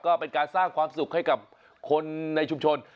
ก็เป็นการสร้างความสุขให้กับคนในชุมชน